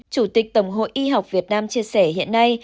chủ tịch tổng hội y học việt nam chia sẻ hiện nay